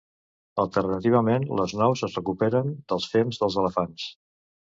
Alternativament les nous es recuperen dels fems dels elefants.